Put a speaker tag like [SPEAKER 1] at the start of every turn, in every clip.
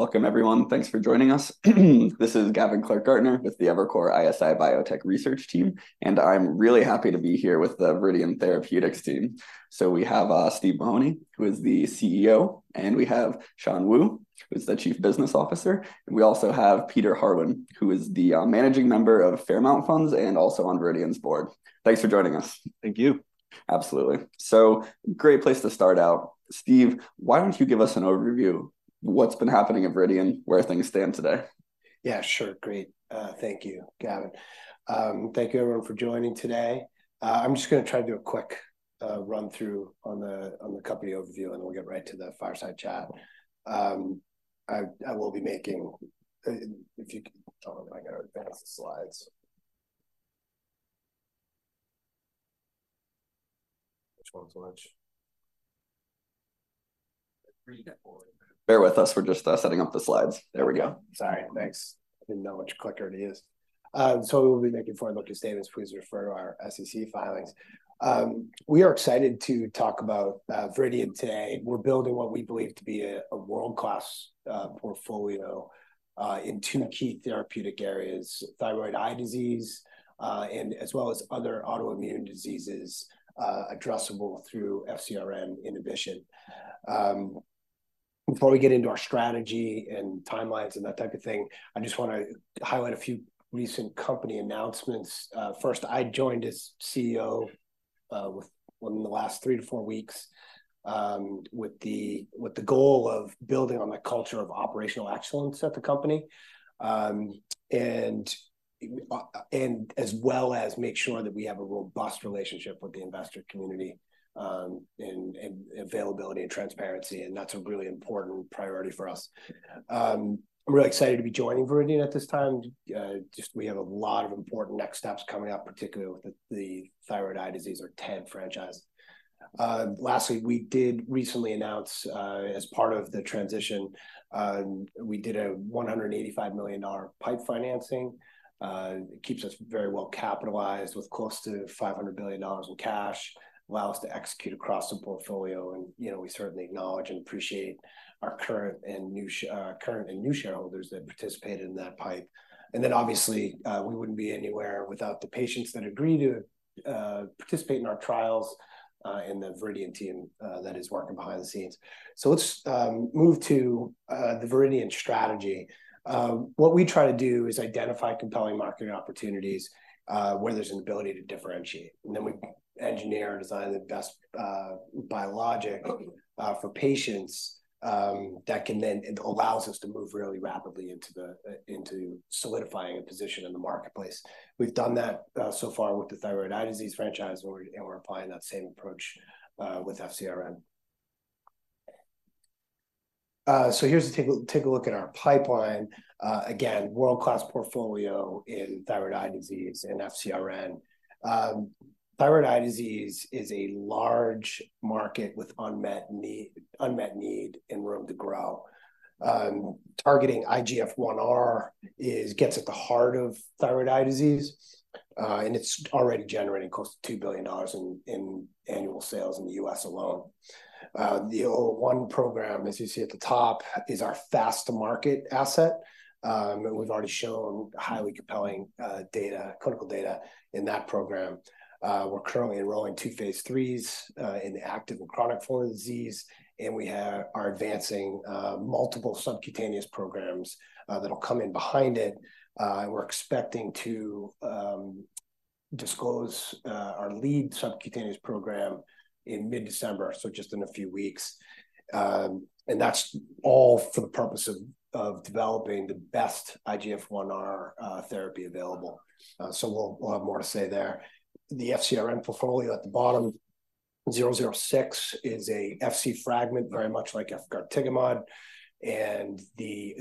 [SPEAKER 1] Welcome, everyone. Thanks for joining us. This is Gavin Clark-Gartner with the Evercore ISI Biotech Research Team, and I'm really happy to be here with the Viridian Therapeutics team. So we have Steve Mahoney, who is the CEO, and we have Shan Wu, who's the Chief Business Officer, and we also have Peter Harwin, who is the managing member of Fairmount Funds and also on Viridian's board. Thanks for joining us.
[SPEAKER 2] Thank you.
[SPEAKER 1] Absolutely. Great place to start out. Steve, why don't you give us an overview? What's been happening at Viridian? Where things stand today?
[SPEAKER 2] Yeah, sure. Great. Thank you, Gavin. Thank you, everyone, for joining today. I'm just gonna try to do a quick run-through on the company overview, and then we'll get right to the fireside chat. I will be making, if you can tell him I gotta advance the slides. Which one's which?
[SPEAKER 1] 3-4. Bear with us. We're just setting up the slides. There we go.
[SPEAKER 2] Sorry. Thanks. I didn't know which clicker it is. So we'll be making forward-looking statements. Please refer to our SEC filings. We are excited to talk about Viridian today. We're building what we believe to be a world-class portfolio in two key therapeutic areas: thyroid eye disease and as well as other autoimmune diseases addressable through FcRn inhibition. Before we get into our strategy and timelines and that type of thing, I just wanna highlight a few recent company announcements. First, I joined as CEO within the last 3-4 weeks with the goal of building on the culture of operational excellence at the company. as well as make sure that we have a robust relationship with the investor community, and availability and transparency, and that's a really important priority for us. I'm really excited to be joining Viridian at this time. Just we have a lot of important next steps coming up, particularly with the thyroid eye disease or TED franchise. Lastly, we did recently announce, as part of the transition, we did a $185 million PIPE financing. It keeps us very well capitalized, with close to $500 million in cash, allows to execute across the portfolio, and, you know, we certainly acknowledge and appreciate our current and new shareholders that participated in that PIPE. Then, obviously, we wouldn't be anywhere without the patients that agree to participate in our trials and the Viridian team that is working behind the scenes. So let's move to the Viridian strategy. What we try to do is identify compelling market opportunities where there's an ability to differentiate, and then we engineer and design the best biologic for patients that can then it allows us to move really rapidly into solidifying a position in the marketplace. We've done that so far with the thyroid eye disease franchise, and we're applying that same approach with FcRn. So here's, take a look at our pipeline. Again, world-class portfolio in thyroid eye disease and FcRn. Thyroid eye disease is a large market with unmet need and room to grow. Targeting IGF-1R gets at the heart of thyroid eye disease, and it's already generating close to $2 billion in annual sales in the U.S. alone. The 001 program, as you see at the top, is our fast-to-market asset, and we've already shown highly compelling data, clinical data in that program. We're currently enrolling two phase 3s in the active and chronic form of the disease, and are advancing multiple subcutaneous programs that'll come in behind it. We're expecting to disclose our lead subcutaneous program in mid-December, so just in a few weeks. And that's all for the purpose of developing the best IGF-1R therapy available. So we'll have more to say there. The FcRn portfolio at the bottom, 006, is a Fc fragment, very much like efgartigimod, and the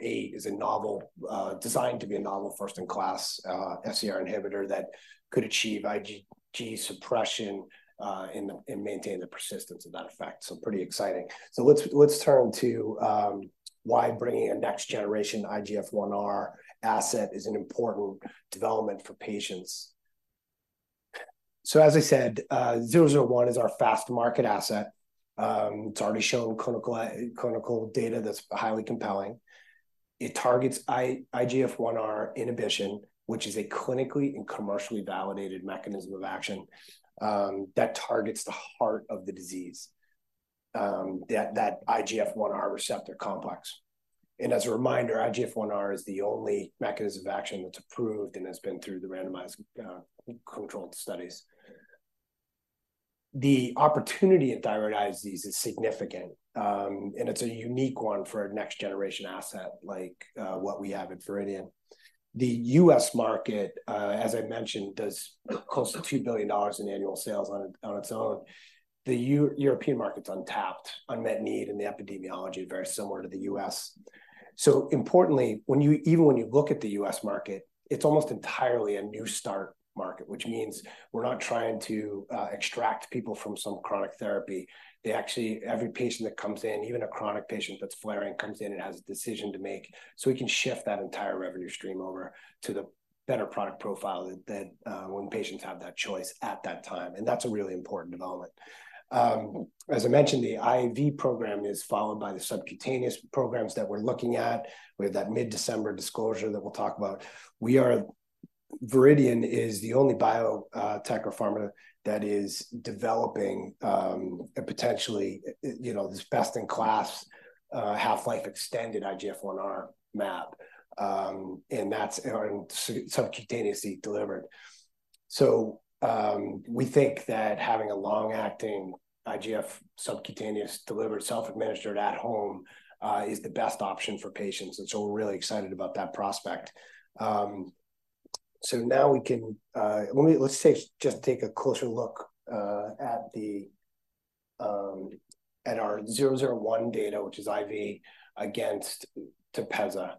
[SPEAKER 2] 008 is a novel designed to be a novel first-in-class FcRn inhibitor that could achieve IgG suppression and maintain the persistence of that effect, so pretty exciting. So let's turn to why bringing a next-generation IGF-1R asset is an important development for patients. So, as I said, 001 is our fast-to-market asset. It's already shown clinical data that's highly compelling. It targets IGF-1R inhibition, which is a clinically and commercially validated mechanism of action that targets the heart of the disease that IGF-1R receptor complex. And as a reminder, IGF-1R is the only mechanism of action that's approved and has been through the randomized controlled studies. The opportunity at thyroid eye disease is significant, and it's a unique one for a next-generation asset like what we have at Viridian. The U.S. market, as I mentioned, does close to $2 billion in annual sales on its own. The European market's untapped, unmet need, and the epidemiology is very similar to the U.S. So importantly, even when you look at the U.S. market, it's almost entirely a new start market, which means we're not trying to extract people from some chronic therapy. They actually... Every patient that comes in, even a chronic patient that's flaring, comes in and has a decision to make, so we can shift that entire revenue stream over to the better product profile that when patients have that choice at that time, and that's a really important development. As I mentioned, the IV program is followed by the subcutaneous programs that we're looking at. We have that mid-December disclosure that we'll talk about. Viridian is the only biotech or pharma that is developing a potentially, you know, this best-in-class, half-life extended IGF-1R mAb. And that's, and subcutaneously delivered. So, we think that having a long-acting IGF subcutaneous delivered, self-administered at home, is the best option for patients, and so we're really excited about that prospect. So now we can take a closer look at our 001 data, which is IV, against Tepezza,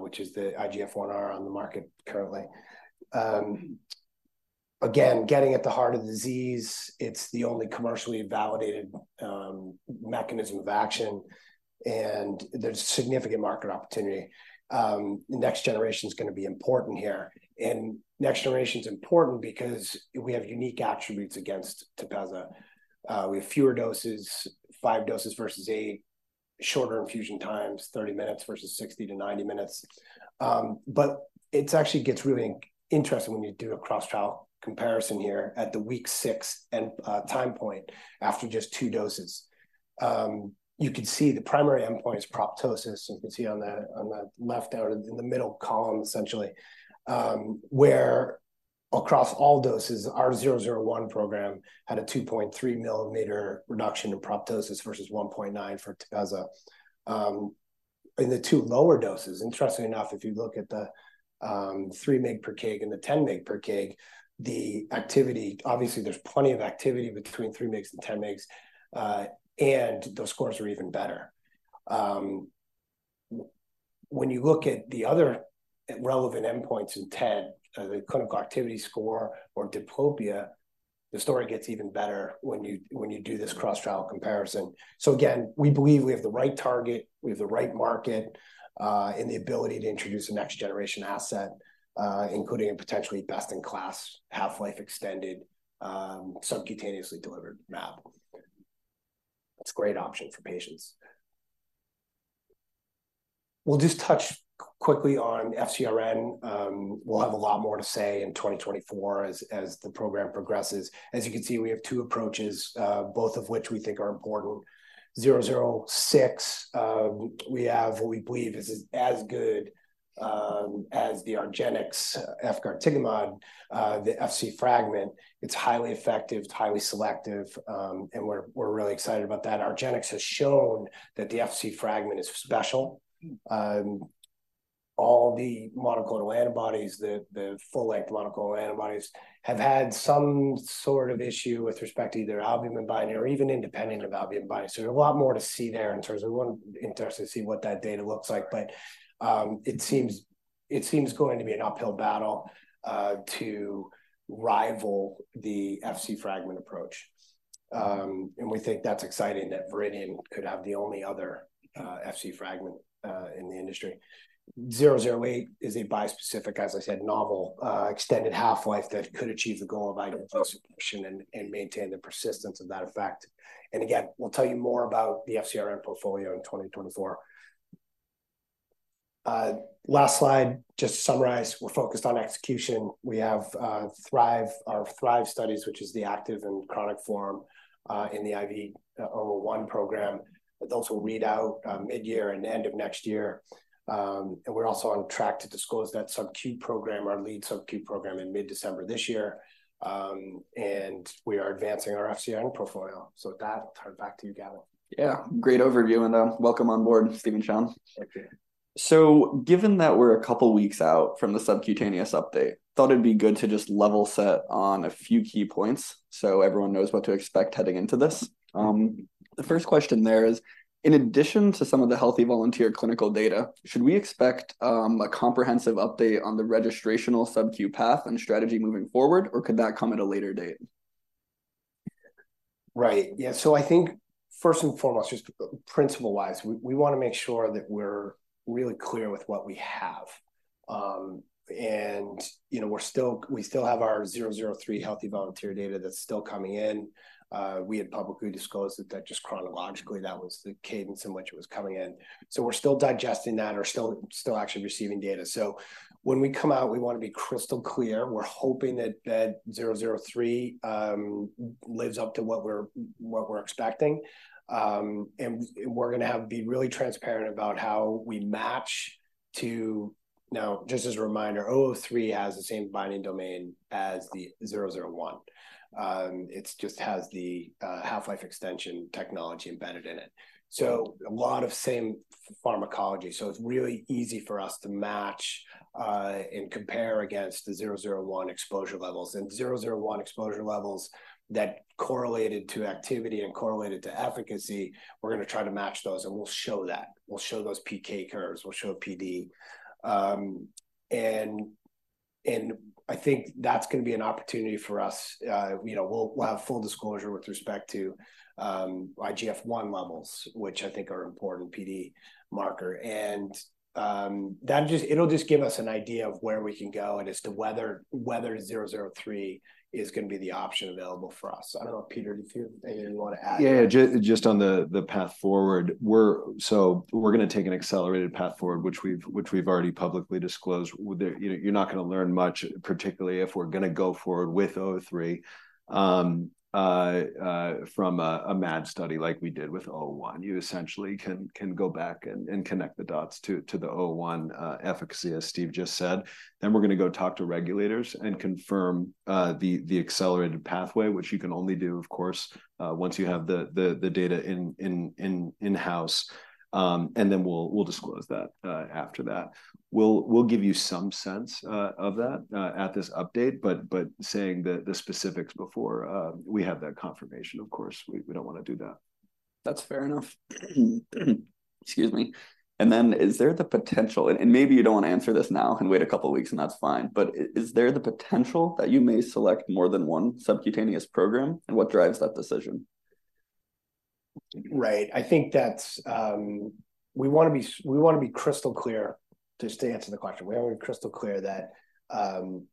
[SPEAKER 2] which is the IGF-1R on the market currently. Again, getting at the heart of the disease, it's the only commercially validated mechanism of action, and there's significant market opportunity. Next generation's gonna be important here, and next generation's important because we have unique attributes against Tepezza. We have fewer doses, 5 doses versus 8, shorter infusion times, 30 minutes versus 60-90 minutes. But it's actually gets really interesting when you do a cross-trial comparison here at the week 6 end time point, after just 2 doses. You can see the primary endpoint is proptosis, you can see on the, on the left, out in the middle column, essentially. Where across all doses, our 001 program had a 2.3 millimeter reduction in proptosis versus 1.9 for Tepezza. In the 2 lower doses, interestingly enough, if you look at the 3 mg per kg and the 10 mg per kg, the activity, obviously, there's plenty of activity between 3 mgs and 10 mgs, and those scores are even better. When you look at the other relevant endpoints in TED, the Clinical Activity Score or diplopia, the story gets even better when you do this cross-trial comparison. So again, we believe we have the right target, we have the right market, and the ability to introduce a next generation asset, including a potentially best-in-class, half-life extended, subcutaneously delivered mAb. It's a great option for patients. We'll just touch quickly on FcRn. We'll have a lot more to say in 2024 as the program progresses. As you can see, we have two approaches, both of which we think are important. 006, we have what we believe is as good as the argenx efgartigimod, the Fc fragment. It's highly effective, it's highly selective, and we're really excited about that. Argenx has shown that the Fc fragment is special. All the monoclonal antibodies, the full-length monoclonal antibodies, have had some sort of issue with respect to either albumin binding or even independent of albumin binding. So there's a lot more to see there in terms of... We're interested to see what that data looks like. But it seems going to be an uphill battle to rival the Fc fragment approach. And we think that's exciting, that Viridian could have the only other Fc fragment in the industry. VRDN-008 is a bispecific, as I said, novel, extended half-life that could achieve the goal of IgG suppression and maintain the persistence of that effect. And again, we'll tell you more about the FcRn portfolio in 2024. Last slide, just to summarize, we're focused on execution. We have THRIVE, our THRIVE studies, which is the active and chronic form in the IV-VRDN-001 program. Those will read out mid-year and the end of next year. And we're also on track to disclose that subQ program, our lead subQ program, in mid-December this year. And we are advancing our FcRn portfolio. So with that, I'll turn it back to you, Gavin.
[SPEAKER 1] Yeah, great overview, and welcome on board, Stephen, Shan.
[SPEAKER 2] Thank you.
[SPEAKER 1] Given that we're a couple of weeks out from the subcutaneous update, thought it'd be good to just level set on a few key points so everyone knows what to expect heading into this. The first question there is: In addition to some of the healthy volunteer clinical data, should we expect a comprehensive update on the registrational subQ path and strategy moving forward, or could that come at a later date?
[SPEAKER 2] Right. Yeah, so I think first and foremost, just principle-wise, we wanna make sure that we're really clear with what we have. And you know, we're still have our VRDN-003 healthy volunteer data that's still coming in. We had publicly disclosed that just chronologically, that was the cadence in which it was coming in. So we're still digesting that or still actually receiving data. So when we come out, we want to be crystal clear. We're hoping that that VRDN-003 lives up to what we're expecting. And we're gonna have to be really transparent about how we match to... Now, just as a reminder, VRDN-003 has the same binding domain as the VRDN-001. It just has the half-life extension technology embedded in it. So a lot of same pharmacology. So it's really easy for us to match, and compare against the 001 exposure levels. And 001 exposure levels that correlated to activity and correlated to efficacy, we're gonna try to match those, and we'll show that. We'll show those PK curves, we'll show PD. And I think that's gonna be an opportunity for us. You know, we'll, we'll have full disclosure with respect to, IGF-1 levels, which I think are important PD marker. And, that just- it'll just give us an idea of where we can go and as to whether, whether 003 is gonna be the option available for us. I don't know, Peter, if you have anything you want to add?
[SPEAKER 3] Yeah, just on the path forward, so we're gonna take an accelerated path forward, which we've, which we've already publicly disclosed. You know, you're not gonna learn much, particularly if we're gonna go forward with 003 from a MAD study like we did with 001. You essentially can go back and connect the dots to the 001 efficacy, as Steve just said. Then we're gonna go talk to regulators and confirm the accelerated pathway, which you can only do, of course, once you have the data in-house. And then we'll disclose that after that. We'll give you some sense of that at this update, but saying the specifics before we have that confirmation, of course, we don't want to do that.
[SPEAKER 1] That's fair enough. Excuse me. And then, is there the potential and maybe you don't want to answer this now, and wait a couple of weeks, and that's fine, but is there the potential that you may select more than one subcutaneous program, and what drives that decision?
[SPEAKER 2] Right. I think that's. We wanna be crystal clear, just to answer the question. We wanna be crystal clear that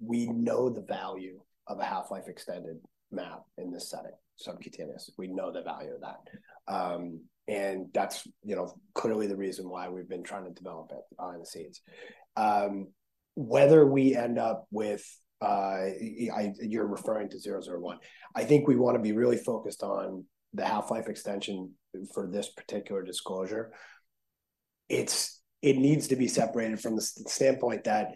[SPEAKER 2] we know the value of a half-life extended mAb in this setting, subcutaneous. We know the value of that. And that's, you know, clearly the reason why we've been trying to develop it behind the scenes. Whether we end up with, you're referring to 001. I think we wanna be really focused on the half-life extension for this particular disclosure. It needs to be separated from the standpoint that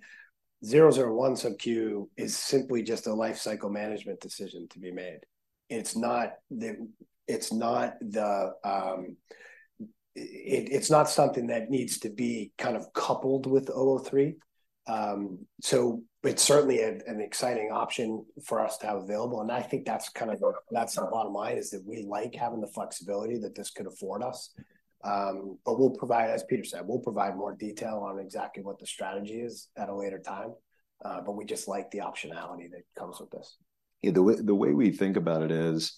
[SPEAKER 2] 001 sub-Q is simply just a life cycle management decision to be made. It's not the, it's not the, it's not something that needs to be kind of coupled with 003. So it's certainly an exciting option for us to have available, and I think that's the bottom line, is that we like having the flexibility that this could afford us. But we'll provide, as Peter said, we'll provide more detail on exactly what the strategy is at a later time, but we just like the optionality that comes with this.
[SPEAKER 3] Yeah, the way, the way we think about it is,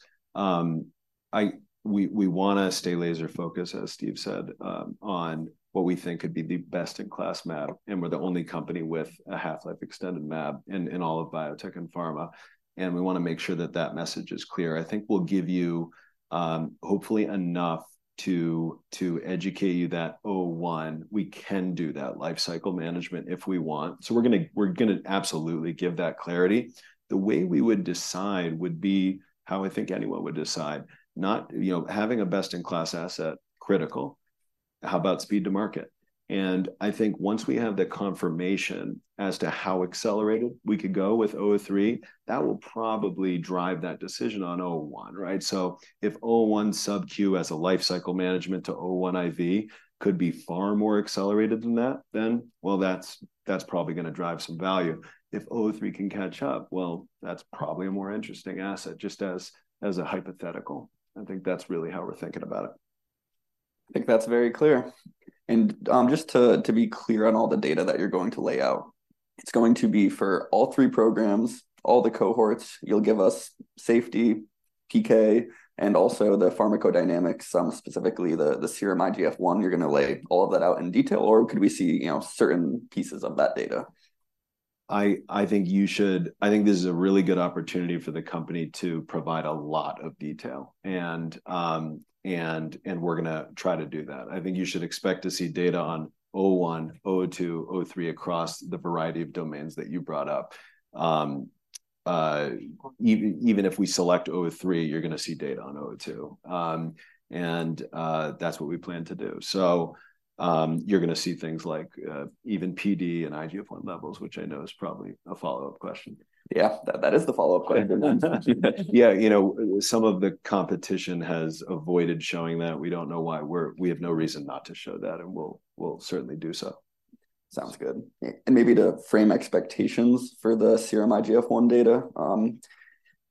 [SPEAKER 3] we wanna stay laser focused, as Steve said, on what we think could be the best-in-class mAb, and we're the only company with a half-life extended mAb in all of biotech and pharma, and we wanna make sure that that message is clear. I think we'll give you, hopefully enough to educate you that 001, we can do that life cycle management if we want. So we're gonna absolutely give that clarity. The way we would decide would be how I think anyone would decide. Not, you know, having a best-in-class asset, critical. How about speed to market? I think once we have the confirmation as to how accelerated we could go with 003, that will probably drive that decision on 001, right? So if 001 sub-Q as a life cycle management to 001 IV could be far more accelerated than that, then, well, that's, that's probably gonna drive some value. If 003 can catch up, well, that's probably a more interesting asset, just as, as a hypothetical. I think that's really how we're thinking about it.
[SPEAKER 1] I think that's very clear. Just to be clear on all the data that you're going to lay out, it's going to be for all three programs, all the cohorts, you'll give us safety, PK, and also the pharmacodynamics, specifically the serum IGF-1, you're gonna lay all of that out in detail, or could we see, you know, certain pieces of that data?
[SPEAKER 3] I think this is a really good opportunity for the company to provide a lot of detail. And we're gonna try to do that. I think you should expect to see data on 001, 002, 003 across the variety of domains that you brought up. Even if we select 003, you're gonna see data on 002. And that's what we plan to do. So, you're gonna see things like even PD and IGF-1 levels, which I know is probably a follow-up question.
[SPEAKER 1] Yeah, that, that is the follow-up question.
[SPEAKER 3] Yeah, you know, some of the competition has avoided showing that. We don't know why. We have no reason not to show that, and we'll certainly do so.
[SPEAKER 1] Sounds good. And maybe to frame expectations for the serum IGF-1 data,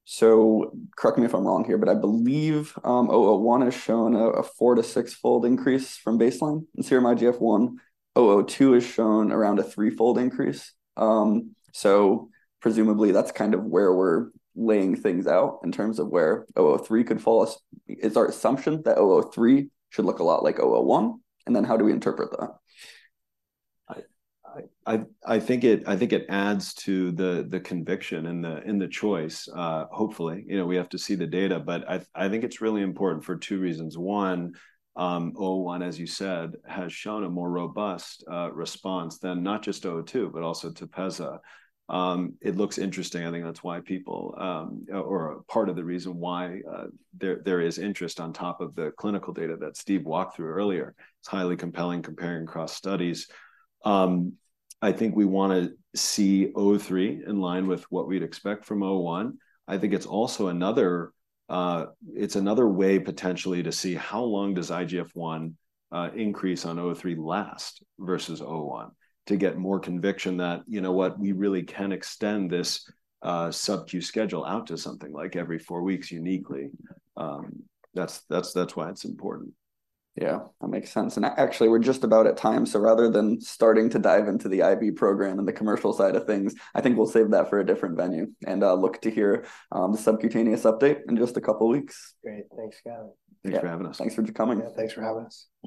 [SPEAKER 1] so correct me if I'm wrong here, but I believe 001 has shown a 4-6-fold increase from baseline in serum IGF-1. 002 is shown around a 3-fold increase. So presumably, that's kind of where we're laying things out in terms of where 003 could fall. Is our assumption that 003 should look a lot like 001? And then how do we interpret that?
[SPEAKER 3] I think it adds to the conviction and the choice, hopefully. You know, we have to see the data, but I think it's really important for two reasons. One, 001, as you said, has shown a more robust response than not just 002, but also Tepezza. It looks interesting. I think that's why people, or part of the reason why, there is interest on top of the clinical data that Steve walked through earlier. It's highly compelling, comparing across studies. I think we wanna see 003 in line with what we'd expect from 001. I think it's also another, it's another way potentially to see how long does IGF-1 increase on 003 last versus 001, to get more conviction that, you know what, we really can extend this sub-Q schedule out to something like every four weeks uniquely. That's why it's important.
[SPEAKER 1] Yeah, that makes sense. And actually, we're just about at time, so rather than starting to dive into the IV program and the commercial side of things, I think we'll save that for a different venue, and look to hear the subcutaneous update in just a couple of weeks.
[SPEAKER 2] Great. Thanks, Gavin.
[SPEAKER 3] Thanks for having us.
[SPEAKER 1] Thanks for coming.
[SPEAKER 2] Yeah, thanks for having us.